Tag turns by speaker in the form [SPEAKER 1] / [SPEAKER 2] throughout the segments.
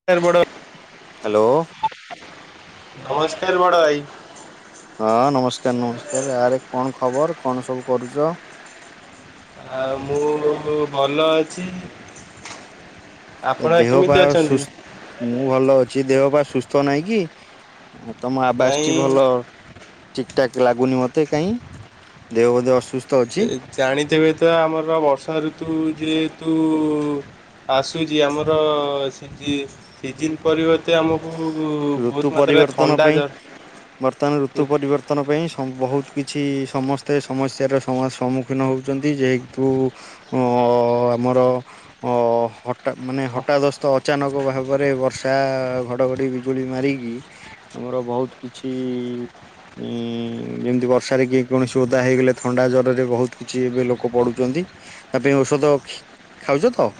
[SPEAKER 1] [unintelligible]
[SPEAKER 2] Hello.
[SPEAKER 1] ନମସ୍କାର ବଡ଼ ଭାଇ।
[SPEAKER 2] ହଁ ନମସ୍କାର ନମସ୍କାର ଆରେ କଣ ଖବର କଣ ସବୁ କରୁଚ?
[SPEAKER 1] ଆଉ ମୁଁ ଭଲ ଅଛି। ଆପଣ
[SPEAKER 2] ଦେହ ପା
[SPEAKER 1] କେମିତି ଅଛନ୍ତି?
[SPEAKER 2] ସୁସ୍ଥ ମୁଁ ଭଲ ଅଛି। ଦେହ ବା ସୁସ୍ଥ ନହିଁ କି? ଆ ତମ ଆବାସ ଟି ଭଲ
[SPEAKER 1] ନାଇଁ
[SPEAKER 2] ଠିକ ଠାକ ଲାଗୁନି ମତେ କାଇଁ ଦେହ ବୋଧେ ଅସୁସ୍ଥ? ଅଛି
[SPEAKER 1] ଜାଣିଥିବେ ତ ଆମର ବର୍ଷା ଋତୁ ଯେହେତୁ ଆସୁଚି ଆମର ସିଜି ସିଜିନ୍ ପରିବର୍ତ୍ତ ଏତେ ଆମକୁ
[SPEAKER 2] ଋତୁ
[SPEAKER 1] ବହୁତ ମାତ୍ରାରେ
[SPEAKER 2] ପରିବର୍ତ୍ତନ
[SPEAKER 1] ଥଣ୍ଡା [unintelligible]
[SPEAKER 2] ପତନ ପାଇଁ ବହୁତ କିଛି ସମସ୍ତେ ସମସ୍ୟାର ସମା ସମ୍ମୁଖୀନ ହେଉଚନ୍ତି ଯେହେତୁ ଅ ଆମର ଅ ହଟା ମାନେ ହଠାଦତ୍ସ୍ତ ଅଚାନକ ଭାବରେ ବର୍ଷା ଘଡଘଡି ବିଜୁଳି ମାରିକି ଆମର ବହୁତ କିଛି ଉଁ ଯେମିତି ବର୍ଷାରେ କିଏ କୌଣସି ଓଦା ହେଇଗଲେ ଥଣ୍ଡା ଜରରେ ବହୁତ କିଛି ଏବେ ଲୋକ ପଡୁଛନ୍ତି। ତା ପାଇଁ ଔଷଧ ଖାଉଛ ତ?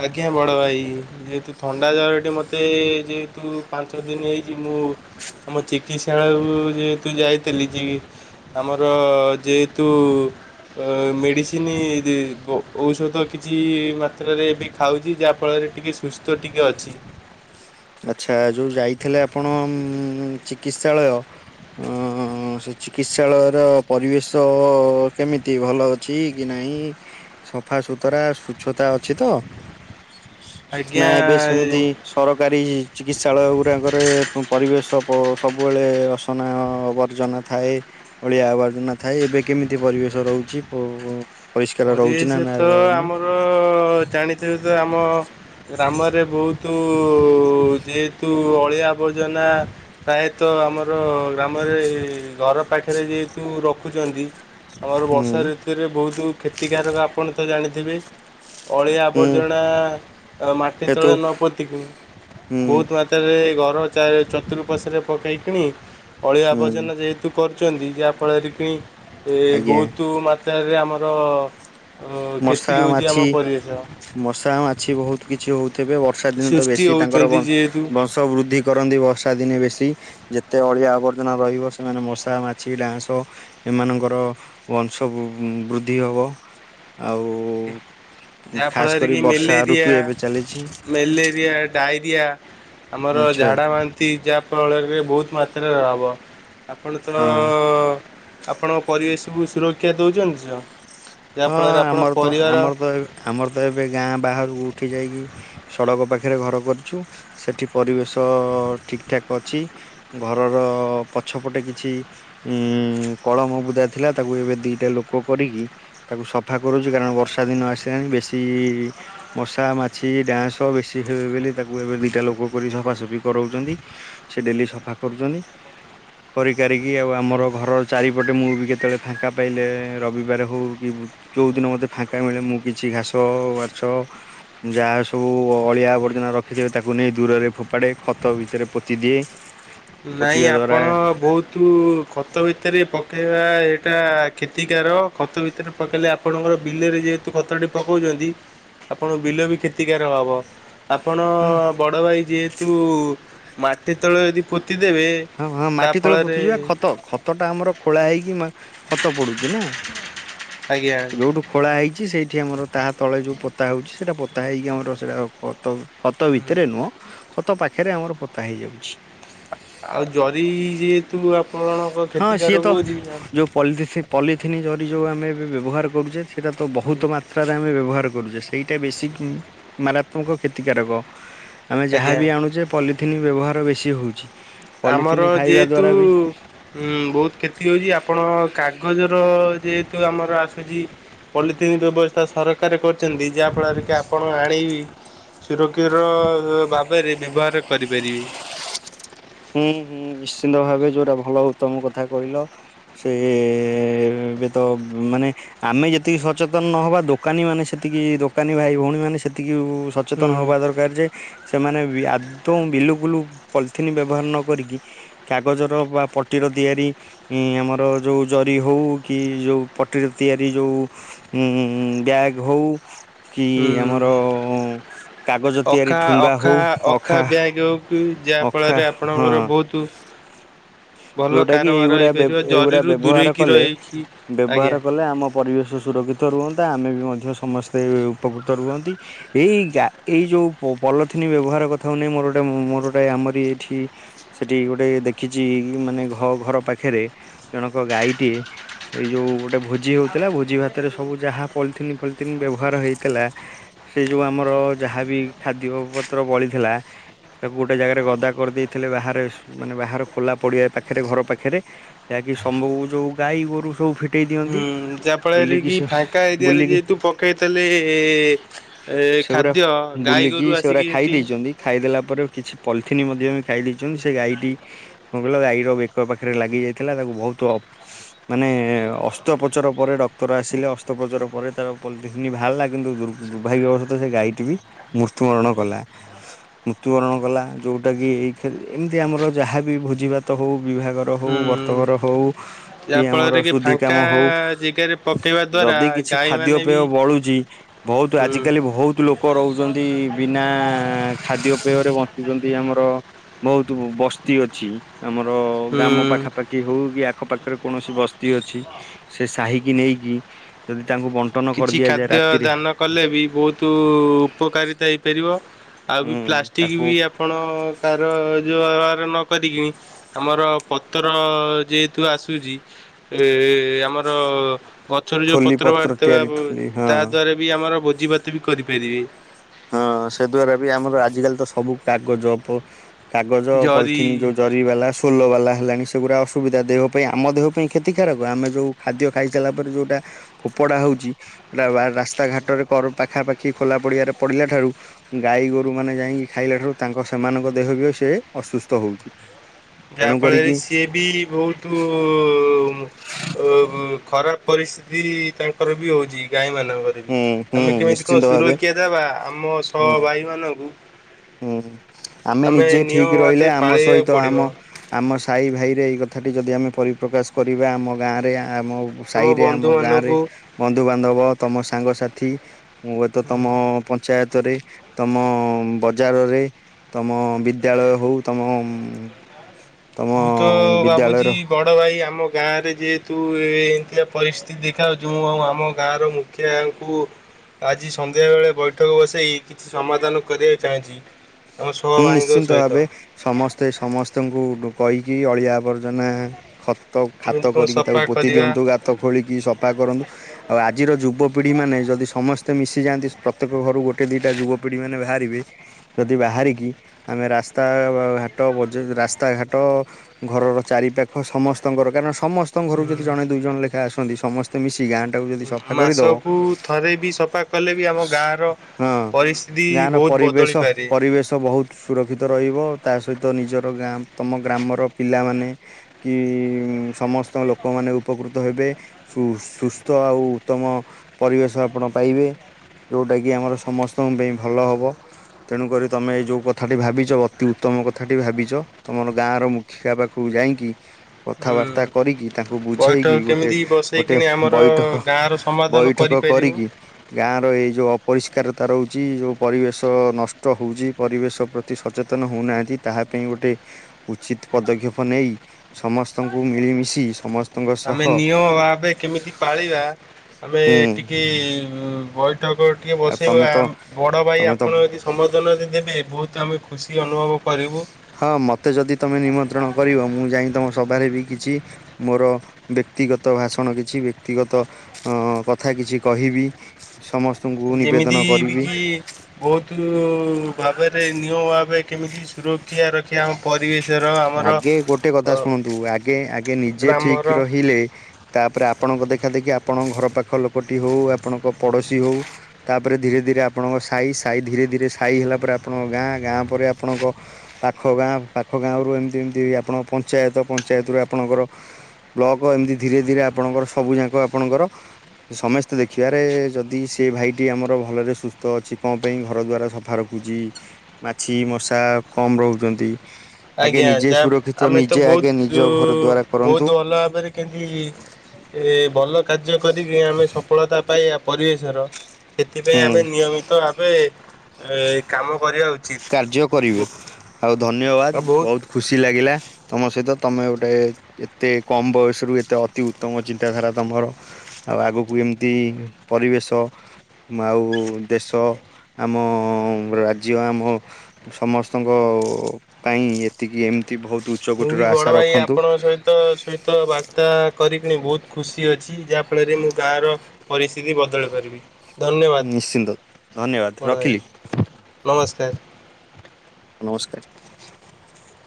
[SPEAKER 1] ଆଜ୍ଞ ବଡ ଭାଇ। ଯେହେତୁ ଥଣ୍ଡା ଜରଟି ମୋତେ ଯେହେତୁ ପାଞ୍ଚ ଦିନ ହେଇଛି ମୁଁ ଆମ ଚିକିତ୍ସାଳୟକୁ ଯେହେୁ ଯାଇଥିଲି ଆମର ଯେହେତୁ ମେଡ଼ିସିନ ଔଷଧ କିଛି ମାତ୍ରାରେ ବି ଖାଉଛି ଯାହାଫଳରେ ଟିକିେ ସୁସ୍ଥ ଟିକେ ଅଛି।
[SPEAKER 2] ଆଚ୍ଛା ଯୋଉ ଯାଇଥିଲେ ଆପଣ ଚିକିତ୍ସାଳୟ ଅ ଚିକିତ୍ସାଳୟର ପରିବେଶ କେମିତି ଭଲ ଅଛି କି ନହିଁ? ସଫା ସୁୁତୁରା ସ୍ଵଚ୍ଛତା ଅଛି ତ ନା ଏବେ ସେମିତି
[SPEAKER 1] ଆଜ୍ଞା
[SPEAKER 2] ସରକ ସରକାରୀ ଚିକିତ୍ସାଳୟ ଗୁଡ଼ାକରେ ପରିବେଶ ସବୁବେଳେ ଅସନା ଅବର୍ଜନା ଥାଏ ଅଳିଆ ଆବର୍ଜନା ଥାଏ ଏବେ କେମିତି ପରିବେଶ ରହୁଛି। ପରିଷ୍କାର ରହୁଛି ନା ନା ରହୁନି?
[SPEAKER 1] ର ଜାଣିଥିବ ତ ଆମ ଗ୍ରାମରେ ବହୁତ ଯେହେତୁ ଅଳିଆ ଆବର୍ଜନା ପ୍ରାୟତଃ ଆମର ଆମର ଗ୍ରାମରେ ଘର ପାଖରେ ଯେହେତୁ ରଖୁଛନ୍ତି ଆମର ବର୍ଷା
[SPEAKER 2] ହୁଁ
[SPEAKER 1] ଋ ତୁ ରେ ବହୁତ କ୍ଷତିକାରକ ଆପଣ ତ ଜାଣିଥିବେ। ଅଳିଆ
[SPEAKER 2] ହୁଁ
[SPEAKER 1] ଆବର୍ଜନା ମାଟି
[SPEAKER 2] ହେତୁ
[SPEAKER 1] ତଳେ ନ ପୋତିକି
[SPEAKER 2] ହୁଁ
[SPEAKER 1] ବହୁତ ମା ରେ ଘର ଚାରି ଚତୁଃପାର୍ଶ୍ଵରେ ପକାଇକିଣି ଅଳିଆ
[SPEAKER 2] ହୁଁ
[SPEAKER 1] ଆବର୍ଜନା ଯେହେତୁ କରୁଚନ୍ତି ଯାହାଫଳରେ କି
[SPEAKER 2] ଆଜ୍ଞା
[SPEAKER 1] ବହୁତ ମାତ୍ରାରେ ଆମର। ଓ
[SPEAKER 2] ମଶା
[SPEAKER 1] କ୍ଷତି ହଉଛି
[SPEAKER 2] ମାଛି
[SPEAKER 1] ଆମ ପରିବେଶ।
[SPEAKER 2] ମଶା ମାଛି ବହୁତ କିଛି ହଉଥିବେ ବର୍ଷା ଦିନ ତ
[SPEAKER 1] ସୃଷ୍ଟି
[SPEAKER 2] ବେଶୀ ତାଙ୍କର
[SPEAKER 1] ହେଉଛନ୍ତି
[SPEAKER 2] ବ
[SPEAKER 1] ଯେହେତୁ
[SPEAKER 2] ଵ ଶ ବୃଦ୍ଧି କରନ୍ତି ବର୍ଷା ଦିନେ ବେଶୀ। ଯେତେ ଅଳିଆ ଆବର୍ଜନା ରହିବ ସେମାନେ ମଶା, ମାଛି, ଡାଁସ ଏମାନଙ୍କର ବଂଶ ବୃଦ୍ଧି ହେବ। ଆଉ
[SPEAKER 1] ଯାହା
[SPEAKER 2] ଖାସ
[SPEAKER 1] ଫଳରେ
[SPEAKER 2] କରି
[SPEAKER 1] କି
[SPEAKER 2] ବର୍ଷା
[SPEAKER 1] ମ୍ୟାଲେରିଆ
[SPEAKER 2] ଋତୁ ଏବେ ଚାଲିଛି
[SPEAKER 1] ମ୍ୟାଲେରିଆ ଡାଇରିଆ ଆମର
[SPEAKER 2] ଆଛା
[SPEAKER 1] ଝାଡ଼ା ବାନ୍ତି ଯାହାଫଳରେ ବହୁତ ମାତ୍ରାରେ ହେବ। ଆପଣ ତ
[SPEAKER 2] ହଁ।
[SPEAKER 1] ଆପଣଙ୍କ ପରିବେଶକୁ ସୁରକ୍ଷା ଦେଉଛନ୍ତି ତ?
[SPEAKER 2] ହଁ
[SPEAKER 1] ଯାହାଫଳରେ ଆପଣ
[SPEAKER 2] ଆମର ତ
[SPEAKER 1] ପରିବାର
[SPEAKER 2] ଆମର ତ ଏ ଆମର ତ ଏବେ ଗାଁ ବାହାରକୁ ଉଠି ଯାଇକି ସଡ଼କ ପାଖରେ ଘର କରିଚୁ ସେଠି ପରିବେଶ ଠିକ ଠାକ୍ ଅଛି। ଘରର ପଛପଟେ କିଛି ଉଁ କଳମବୁଦା ଥିଲା ତାକୁ ଏବେ ଦିଟା ଲୋକ କରିକି ତାକୁ ସଫା କରୁଚୁ କାରଣ ବର୍ଷା ଦିନ ଆସିଲାଣି ବେଶୀ ମଶା ମାଛି ଡାଁଶ ବେଶୀ ହେବେ ବୋଲି ତାକୁ ଏବେ ଦୁଇଟା ଲୋକ କରି ସଫାସଫି କରଉନ୍ତି। ସେ ଡେଲି ସଫା କରୁଛନ୍ତି କରିିକାରିକି ଆଉ ଆମର ଘରର ଚାରିପଟେ ମୁଁ ବି କେତେବେଳେ ଫାଙ୍କା ପାଇଲେ ରବିବାର ହେଉ କି ଯଉଦିନ ମୋତେ ଫାଙ୍କା ମିଳେ ମୁଁ କିଛି ଘାସ ବାଛ ଯାହା ସବୁ ଅଳିଆ ଆବର୍ଜନା ରଖିଥିବେ ତାକୁ ନେଇ ଦୂରରେ ଫୋପାଡ଼େ ଖତ ଭିତରେ ପୋତି ଦିଏ। ହ [inaudible]
[SPEAKER 1] ନାଇଁ ଆପଣ ବହୁତୁ ଖ ତ ଭିତରେ ପକେଇବା ଏଟା କ୍ଷତିକାର ଖତ ଭିତରେ ପକେଇଲେ ଆପଣଙ୍କର ବିଲରେ ଯେହେ ତୁ ଖତଟି ପକଉଚନ୍ତି ଆପଣଙ୍କ ବିଲ ବି କ୍ଷତିକାର ହବ। ଆପଣ ବଡ଼ ଭାଇ ଯେହେତୁ ମାଟି ତଳେ ଯଦି ପୋତି ଦେବେ
[SPEAKER 2] ହଁ ହଁ ମାଟି ତଳେ ପୋତୁଚି ବା ଖତ ଖ ଖତଟା ଆମର ଖୋଳା ହେଇକି ମ ଖତ ପଡ଼ୁଚି ନା
[SPEAKER 1] ଆଜ୍ଞା
[SPEAKER 2] ଯୋଉଠୁ ଖୋଳା ହେଇଚି ସେଇଠି ଆମର ତାହା ତଳେ ଯୋଉ ପୋତା ହଉଚି ସେଟା ପୋତା ହେଇକି ଆମର ସେଟା ଖତ ଖତ ଭିତରେ ନୁହଁ ଖତ ପାଖରେ ଆମର ପୋତା ହେଇଯାଉଛି।
[SPEAKER 1] ଆଉ ଜରି ଯେହେତୁ ଆପଣଙ୍କ
[SPEAKER 2] ହଁ ସିଏ
[SPEAKER 1] କ୍ଷତିକାରକ
[SPEAKER 2] ତ
[SPEAKER 1] ହେଉଛି
[SPEAKER 2] ଯୋଉ ପଲିଥି ପଲିଥିନି ଜରି ଯୋଉ ଆମେ ଏବେ ବ୍ୟବହାର କରୁଚେ ଏଟା ତ ବହୁତ ମାତ୍ ଟାରେ ଆମେ ବ୍ୟବହାର କରୁଚେ ସେଇଟା ବେଶିକି ମାରାତ୍ମକ କ୍ଷତିକାରକ। ଆମେ ଯାହା
[SPEAKER 1] ଆଜ୍ଞା।
[SPEAKER 2] ବିି ଆଣୁଚେ ପଲିଥିନ୍ ବ୍ୟବହାର ବେଶୀ ହଉଚି।
[SPEAKER 1] ଆମର ଯେହେତୁ ହୁଁ ବହୁତ କ୍ଷତି ହଉଚି ଆପଣ କାଗଜର ଯେହେତୁ ଆମର ଆସୁଚି ପଲିଥିନ୍ ବ୍ୟବସ୍ଥା ସରକାର କରିଚନ୍ତି ଯାହା ଫଳରେ କି ଆପଣ ଆଣିବି ସୁରକ୍ଷିର ଭାବରେ ବ୍ୟବହାର କରିପାରିବେ।
[SPEAKER 2] ହୁଁ ହୁଁ ନିଶ୍ଚିନ୍ତ ଭାବେ ଯୋଉରା ଭଲ ଉତ୍ତମ କଥା କହିଲ। ସେ ଏବେ ତ ମାନେ ଆମେ ଯେତିକି ସଚେତନ ନହବା ଦୋକାନୀ ମାନେ ସେତିକି ଦୋକାନୀ ଭାଇ ଭଉଣୀ ମାନେ ସେତିକି ଉ ସଚେତନ
[SPEAKER 1] ହୁଁ।
[SPEAKER 2] ହବା ଦରକାର ଯେ ସେମାନେ ବି ଆଦୌ ବିଲୁ ବୁଲୁ ପଲଥିନି ବ୍ୟ ବହାର ନ କରିକି କାଗଜର ବା ପଟିର ତିଆରି ଇଁ ଆମର ଯୋଉ ଜରି ହଉ କି ଯୋଉ ପଟିର ତିଆରି ଯୋଉ ଉଁ ବ୍ୟାଗ୍ ହଉ କି
[SPEAKER 1] ହୁଁ
[SPEAKER 2] ଆମର କାଗଜ ତିଆରି
[SPEAKER 1] ଅଖା
[SPEAKER 2] ଠୁଙ୍ଗା
[SPEAKER 1] ଅଖା
[SPEAKER 2] ହଉ
[SPEAKER 1] ଅଖା ବ୍ୟାଗ ହଉ କି ଯାହା
[SPEAKER 2] ଅଖା
[SPEAKER 1] ଫଳରେ
[SPEAKER 2] ହଁ
[SPEAKER 1] ଆପଣଙ୍କର ବହୁତୁ
[SPEAKER 2] ଯୋଉଟା କି ଏଇଗୁରା
[SPEAKER 1] ହେଇପାରିବ
[SPEAKER 2] ବ୍ଯବ ଏଇଗୁରା
[SPEAKER 1] ଜରିରୁ
[SPEAKER 2] ବ୍ୟବହାର
[SPEAKER 1] ଦୂରେଇକି
[SPEAKER 2] କଲେ
[SPEAKER 1] ରହିକି
[SPEAKER 2] ବ୍ୟବହାର
[SPEAKER 1] ଆଜ୍ଞା।
[SPEAKER 2] କଲେ ଆମ ପରିବେଶ ସୁରକ୍ଷିତ ରୁହନ୍ତା ଆମେ ବି ମଧ୍ୟ ସମସ୍ତେ ଉପକୃତ ରୁହନ୍ତି। ଏଇ ଗା ଏଇ ଯୋଉ ପ ପଲଥିନି ବ୍ୟବହାର କଥାକୁ ନେଇ ମୋର ଗୋଟେ ମୋର ଗୋଟେ ଆମରି ଏଠି ସେଠି ଗୋଟେ ଦେଖିଚି ମାନେ ଘ ଘର ପାଖେରେ ଜଣକ ଗାଈଟିଏ ଏଇ ଯୋଉ ଗୋଟେ ଭୋଜି ହଉଥିଲା ଭୋଜି ଭାତରେ ସବୁ ଯାହା ପଲିିଥିନ୍ ଫଲିିଥିନ୍ ବ୍ୟବହାର ହେଇଥିଲା ସେ ଯୋଉ ଆମର ଯାହା ବି ଖାଦ୍ୟ ପତ୍ର ବଳିଥିଲା ତାକୁ ଗୋଟେ ଜାଗାରେ ଗଦା କରିଦେଇଥିଲେ ବାହାରେ ସୁ ମାନେ ବାହାର ଖୋଲା ପଡି଼ଆ ପାଖେରେ ଘର ପାଖେରେ। ଯାହାକି ସମ୍ବୁ ଯୋଉ ଗାଈ ଗୋରୁ ସବୁ ଫି
[SPEAKER 1] ହୁଁ ଯାହା ଫଳରେ କି ଫାଙ୍କା ଏରିଆରେ
[SPEAKER 2] ବୁଲିକି
[SPEAKER 1] ଯେହେତୁ ପକେଇଥେଲେ ଏ
[SPEAKER 2] ସେଗୁରା
[SPEAKER 1] ଖାଦ୍ୟ ଗାଈ
[SPEAKER 2] ବୁଲିକି
[SPEAKER 1] ଗୋରୁ
[SPEAKER 2] ସେଗୁରା
[SPEAKER 1] ଆସିକି
[SPEAKER 2] ଖାଇ
[SPEAKER 1] ସେଠି
[SPEAKER 2] ଦେଇଛନ୍ତି ଖାଇଦେଲା ପରେ କିଛି ପଲିଥିନ ମଧ୍ୟ ଖାଇ ଦେଇଛନ୍ତି ସେ ଗାଈଟି କଁ କହିଲ ଗାଈର ବେକ ପାଖରେ ଲାଗି ଯାଇଥିଲା ତାକୁ ବହୁତ ଅ ମାନେ ଅସ୍ତ୍ରୋପଚର ପରେ ଡକ୍ଟର ଆସିଲେ ଅସ୍ତ୍ରୋପଚର ପରେ ତାର ପଲିିଥିନି ଭାରଲା କିନ୍ତୁ ଦୁର୍ ଦୁର୍ଭାଗ୍ୟ ବଶତଃ ସେ ଗାଈଟି ବି ମୃତ୍ୟୁବରଣ କଲା। ମୃତ୍ୟୁବରଣ କଲା ଯୋଉଟା କି ଏଇଖି ଏମତି ଆମର ଯାହା ବି ଭୋଜି ଭା ତ ହଉ ବିଭାଗର ହଉ
[SPEAKER 1] ହୁଁ
[SPEAKER 2] ବର୍ତଘର ହଉ କି ଆମର
[SPEAKER 1] ଯାହାଫଳରେ କି
[SPEAKER 2] ଶୁଦ୍ଧି
[SPEAKER 1] ଫାଙ୍କା
[SPEAKER 2] କାମ ହଉ
[SPEAKER 1] ଜାଗାରେ ପକେଇବା ଦ୍ୱାରା
[SPEAKER 2] ଯଦି କିଛି ଖାଦ୍ୟ
[SPEAKER 1] ଗାଈମାନେ
[SPEAKER 2] ପେୟ
[SPEAKER 1] ବି
[SPEAKER 2] ବଳୁଚି ବହୁତ
[SPEAKER 1] ହୁଁ
[SPEAKER 2] ଆଜିକାଲି ଭଉତୁ ଲୋ କରଉଚନ୍ତି ବିନା ଖାଦ୍ୟ ପେୟରେ ବଞ୍ଚୁଚନ୍ତି ଆମର ବହୁତୁ ବସ୍ତି ଅଛି ଆମର ଗ୍ରାମ
[SPEAKER 1] ହୁଁ
[SPEAKER 2] ପାଖା ପାଖି କି ହଉ କି ଆଖ ପାଖରେ କୌଣସି ବସ୍ତି ଅଛି ସେ ସାହିକି ନେଇକି ଯଦି ତାଙ୍କୁ ବଣ୍
[SPEAKER 1] କିଛି ଖାଦ୍ୟ ଦାନ କଲେ ବି ବହୁତୁ ଉପକାରିତା ପାରିବ ଆଉ ବି
[SPEAKER 2] ଉଁ
[SPEAKER 1] ପ୍ଲାଷ୍ଟିକ
[SPEAKER 2] ତାକୁ
[SPEAKER 1] ବି ଆପଣ-ତା ର ଯ ହାର ନ କରିକି ଆମର ପତ୍ର ଯେହେତୁ ଆସୁଚି ଏ ଆମର ଗଛର ଯୋଉ
[SPEAKER 2] ଠୋଲି
[SPEAKER 1] ପତ୍ର ବାହାର୍ ତ
[SPEAKER 2] ତିଆରି ଠୋଲି ହଁ
[SPEAKER 1] ତାଦ୍ଵାରା ବି ଆମର ଭୋଜି ଭାତ ବି କରିପାରିବେ।
[SPEAKER 2] ହଁ ସେ ଦ୍ୱାରା ବି ଆମର ଆଜିକାଲି ତ ସବୁ କାଗଜ ପ-କାଗଜ
[SPEAKER 1] ଜରି
[SPEAKER 2] ପଲିଥିନ୍ ଯୋଉ ଜରୀ ରି ବାଲା ସୋଲ ବାଲା ହେଲାଣି ସେଗୁଡା ଅସୁବିଧା ଦେହ ପାଇଁ ଆମ ଦେହ ପାଇଁ କ୍ଷତିକାରକ ଆମେ ଯୋଉ ଖାଦ୍ୟ ଖାଇସାରିଲା ପରେ ଯୋ ଉଟା ଫୋପଡା ହଉଚି ରା- ରା ରାସ୍ତା ଘାଟରେ କର୍ ପାଖାପାଖି ଖୋଲା ପଡିଆରେ ପଡିଲା ଠାରୁ ଗାଈ ଗୋରୁ ମାନେ ଯାଇକି ଖାଇଲା ଠାରୁ ତାଙ୍କ ସେମାନଙ୍କ ଦେହ ବି ସେ ଅସୁସ୍ଥ ହଉଚି।
[SPEAKER 1] ଯାହା ଫଳରେ ସିଏ ବି ବହୁତୁ ଉ- ଖରାପ ପରିସ୍ଥିତି ତାଙ୍କର ବି ହଉଚି ଗାଈ ମାନଙ୍କର।
[SPEAKER 2] ହୁଁ ହୁଁ
[SPEAKER 1] ଆମେ କେମିତି କଣ
[SPEAKER 2] ନିଶ୍ଚିନ୍ତ ଭାବେ
[SPEAKER 1] ସୁରକ୍ଷା ଦେବା ଆମ ସହ
[SPEAKER 2] ହୁଁ।
[SPEAKER 1] ଭାଇ ମାନଙ୍କୁ?
[SPEAKER 2] ହୁଁ ଆମେ ନିଜେ
[SPEAKER 1] ନିୟମ
[SPEAKER 2] ଠିକ୍
[SPEAKER 1] ମାତେ
[SPEAKER 2] ରହିଲେ ଆମ
[SPEAKER 1] ପାଳିବାକୁ
[SPEAKER 2] ସହିତ
[SPEAKER 1] ପଡ଼ିବ
[SPEAKER 2] ଆମ ଆମ ସାଇ ଭାଇରେ ଏଇ କଥାଟି ଯଦି ଆମେ ପରିପ୍ରକାଶ କରିବା ଆମ ଗାଁରେ ଆମ ସାହି ରେ ଆମ ଗାଁ ରେ ବନ୍ଧୁବାନ୍ଧବ ତମ ସାଙ୍ଗସାଥି ହୁଏତ ତମ ପଂ ପଞ୍ଚାୟତରେ ତମ ବଜାରରେ ତମ ବିଦ୍ୟାଳୟ ହଉ ତମ ତମ
[SPEAKER 1] ମୁଁ ତ ଭାବୁଚି
[SPEAKER 2] ବିଦ୍ୟାଳୟରେ
[SPEAKER 1] ବ ଡ ଭାଇ ଆମ ଗାଁରେ ଯେହେତୁ ଏମିତିଆ ପରିସ୍ଥିତି ଦେଖା ଦଉଚି ମୁଁ ଆଉ ଆମ ଗାଁର ମୁଖ୍ ଖିଆଙ୍କୁ ଆଜି ସନ୍ଧ୍ୟା ବେଳେ ବୈଠକ ବସେଇ କିଛି ସମାଧାନ କରିବାକୁ ଚାହିଁ ଛି। ତମ ସହ
[SPEAKER 2] ହୁଁ
[SPEAKER 1] ଭାଇଙ୍କ
[SPEAKER 2] ନିଶ୍ଚିନ୍ତ ଭାବେ
[SPEAKER 1] ସହିତ।
[SPEAKER 2] ସମସ୍ତେ ସମସ୍ତଙ୍କୁ ଡୁ କହିକି ଅଳିଆ ଆବର୍ଜନା
[SPEAKER 1] କେମିତି
[SPEAKER 2] ଖତ-ଖାତ
[SPEAKER 1] କଣ
[SPEAKER 2] କରିକି ତାକୁ
[SPEAKER 1] ସଫା
[SPEAKER 2] ପୋତି
[SPEAKER 1] କରିବା
[SPEAKER 2] ଦିଅନ୍ତୁ ଗାତ ଖୋଳିକି ସଫା କରନ୍ତୁ। ଆଉ ଆଜିର ଯୁବପିଢି ମାନେ ଯଦି ସମସ୍ତେ ମିଶିଯାଆନ୍ତି ପ୍ରତ୍ୟେକ ଘରୁ ଗୋଟେ ଦିଟା ଯୁବପିଢି ମାନେ ବାହାରିବେ ଯଦି ବାହାରିକି ଆମେ ରାସ୍ତା ଘାଟ ଵଝି -ରାସ୍ତାଘାଟ ଘରର ଚାରି ପାଖ ସମସ୍ତ ଙ୍କର କାରଣ ସମସ୍ତଙ୍କ ଘରୁ ଯଦି ଜଣେ ଦୁଇ ଜଣ ଲେଖା ଆସନ୍ତି ସମସ୍ତେ ମିଶି ଗାଁ ତାକୁ ଯଦି ସଫା କରିଦବ
[SPEAKER 1] ମାସକୁ ଥରେ ବି ସଫା କଲେ ବି ଆମ ଗାଁର
[SPEAKER 2] ହଁ
[SPEAKER 1] ପରିସ୍ଥିତି
[SPEAKER 2] ଗାଁ ର
[SPEAKER 1] ବହୁତ
[SPEAKER 2] ପରିବେଶ
[SPEAKER 1] ବଦଳିପାରେ।
[SPEAKER 2] ପରିବେଶ୍ ବହୁତ୍ ସୁରକ୍ଷିତ ରହିବ ତା ସହିତ ନିଜର ଗାଁ-ତମ ଗ୍ରାମର ପିଲାମାନେ କି ସମସ୍ତ ଲୋକମାନେ ଉପକୃତ ହେବେ ସୁ ସୁସ୍ଥ ଆଉ ଉତ୍ତମ ପରିବେଶ ଆପଣ ପାଇବେ। ଯୋଉଟା କିି ଆମର ସମସ୍ତଙ୍କ ପାଇଁ ଭଲ ହବ। ତେଣୁକରି ତମେ ଏଇ ଯୋଉ କଥାଟି ଭାବିଚି ଅତି ଉତ୍ତମ କଥାଟି ଭାବିଚ। ତମର ଗାଁ ର ମୁଖିଆ ପାଖକୁ ଯାଇଙ୍କି
[SPEAKER 1] ହୁଁ।
[SPEAKER 2] କଥାବାର୍ତ୍ତା କରିକି ତାଙ୍କୁ
[SPEAKER 1] ପଇଠ
[SPEAKER 2] ବୁଝେଇକି ଗୋଟେ
[SPEAKER 1] କେମିତି
[SPEAKER 2] ଗୋଟେ
[SPEAKER 1] ବସେଇକିଣି ଆମର
[SPEAKER 2] ବୈଠକ
[SPEAKER 1] ଗାଁର ସମାଧାନ
[SPEAKER 2] ବୈଠକ
[SPEAKER 1] କରିପାରିବୁ।
[SPEAKER 2] କରିକି ଗାଁ ର ଏଇ ଯୋଉ ଅପରିଷ୍କାରତା ରହୁଚି ଯୋଉ ପରିବେଶ ନଷ୍ଟ ହଉଚି ପରିବେଶ ପ୍ରତି ସଚେତନ ହଉନାହାନ୍ତି ତାହା ପାଇଁ ଗୋଟେ ଉଚିତ୍ ପଦକ୍ଷେପ ନେଇ ସମସ୍ତଙ୍କୁ ମିଳିମିଶି ସମ
[SPEAKER 1] ଆମେ ନିୟମ ଭାବେ କେମିତି ପାଳିବା ଆମେ
[SPEAKER 2] ହୁଁ
[SPEAKER 1] ଟିକେ ବୈଠକ ଟିଏ
[SPEAKER 2] ଆଉ
[SPEAKER 1] ବସେଇବ
[SPEAKER 2] ତମେ
[SPEAKER 1] ଆ
[SPEAKER 2] ତ
[SPEAKER 1] ବଡ ଭାଇ
[SPEAKER 2] ତମେ ତ
[SPEAKER 1] ଆପଣ ଯଦି ସମ [unintelligible] ବହୁତ ଆମେ ଖୁସି ଅନୁଭବ କରିବୁ।
[SPEAKER 2] ହଁ ମତେ ଯଦି ତମେ ନିମନ୍ତ୍ରଣ କରିବ, ମୁଁ ଯାଇ ତମ ସଭାରେ ବି କିଛି ମୋର ବ୍ୟକ୍ତିଗତ ଭାଷଣ କିଛି ବ୍ୟକ୍ତିଗତ ଅ କଥା କିଛି କହିବି। ସମସ୍ତଙ୍କୁ ନିବେଦନ କରିବି।
[SPEAKER 1] ବହୁତୁ ଭାବରେ ନିୟମ ଭାବେ କେମିତି ସୁରକ୍ଷା ରଖିବା ଆମ ପରିବେଶ
[SPEAKER 2] ଆଗେ ଗୋଟେ କଥା ଶୁଣନ୍ତୁ, ଆଗେ ଆଗେ ନିଜେ
[SPEAKER 1] ଗ୍ରାମର
[SPEAKER 2] ଠିକ୍ ରହିଲେ ତାପରେ ଆପଣଙ୍କ ଦେଖା ଦେଖି, ଆପଣଙ୍କ ଘର ପାଖ ଲୋକଟି ହଉ, ଆପଣଙ୍କ ପଡୋଶୀ ହଉ ତାପରେ ଧୀରେ ଧୀରେ ଆପଣଙ୍କ ସାଇ, ସାଇ, ଧୀରେ ଧୀରେ ସାଇ ହେଲା ପରେ, ଆପଣଙ୍କ ଗାଁ, ଗାଁ ପରେ ଆପଣଙ୍କ ପାଖ ଗାଁ, ପାଖ ଗାଁ ରୁ ଏମିତି ଏମିତି ଆପଣ ପଞ୍ଚାୟତ, ପଞ୍ଚାୟତରୁୁ ଆପଣଙ୍କର ବ୍ଲକ, ଏମିତି ଧୀରେ ଧୀରେ ଆପଣଙ୍କର ସବୁ ଯାକ ଆପଣଙ୍କର ସମସ୍ତେ ଦେଖିବାରେ, ଯଦି ସେ ଭାଇଟି ଆମର ଭଲରେ ସୁସ୍ଥ ଅଛି। କଣ ପାଇଁ ଘର ଦ୍ଵାରା ସଫା ର ଖୁଚି, ମାଛି ମଶା କମ୍ ରହୁଚନ୍ତି।
[SPEAKER 1] ଆଜ୍ଞା ଯାହା, ଆମେ ତ ବହୁତ୍,
[SPEAKER 2] ନିଜ ଘର ଦ୍ଵାରା କରନ୍ତୁ।
[SPEAKER 1] ବହୁତ୍ ଭଲ ଭାବରେ କେମିତି ଏ ଭଲ କାର୍ଯ୍ୟ କରିକି ଆମେ ସଫଳତା ପାଇବା ପରିବେଶର ସେଥିପାଇଁ
[SPEAKER 2] ହୁଁ
[SPEAKER 1] ଆମେ ନିୟମିତ ଭାବେ ଏ କାମ କରିବା ଉ
[SPEAKER 2] କାର୍ଯ୍ୟ କରିବେ, ଆଉ ଧନ୍ୟବାଦ, ବହୁତ ଖୁସି ଲାଗିଲା। ତମ ସହିତ ତମେ ଗୋଟେ ଏତେ କମ ବୟସ୍ ରୁ ଏତେ ଅତି ଉତ୍ତମ ଚିନ୍ତାଧାରା ତମର। ଆଉ ଆଗକୁ ଏମିତି ପରିବେଶ ଆଉ ଦେଶ, ଆମ ରାଜ୍ୟ ଆମ ସମସ୍ତଙ୍କ ପାଇଁ ଏତିକି ଏମିତି ବହୁତ ଉ
[SPEAKER 1] ମୁଁ ବି ବଡ଼ ଭାଇ ଆପଣଙ୍କ ସହି ତ ସହିତ ବାର୍ତ୍ତା କରିକି ବହୁତ ଖୁସି ଅଛି। ଯାହା ଫଳରେ ମୁଁ ଗାଁ ର ପରିସ୍ଥିତି ବଦଳେଇ ପାରିବି। ଧନ୍ୟବାଦ
[SPEAKER 2] ନିଶ୍ଚିନ୍ତ, ଧନ୍ୟବାଦ ରଖିଲି।
[SPEAKER 1] ନମସ୍କାର୍।
[SPEAKER 2] ନମସ୍କାର୍।